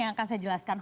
yang akan saya jelaskan